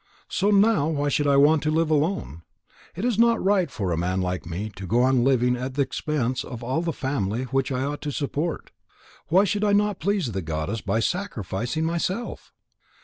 So now why should I want to live alone? It is not right for a man like me to go on living at the expense of all the family which I ought to support. Why should I not please the goddess by sacrificing myself?"